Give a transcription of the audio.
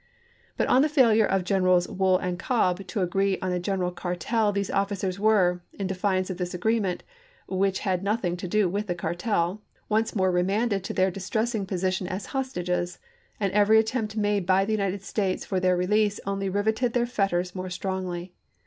But on the failure of Generals Wool and Cobb to agree on a general cartel these officers were, in defiance of this agreement, which had nothing to do with the cartel, once more remanded to their distressing position as hostages, and every attempt made by the United States for their release only riveted their fetters more strongly.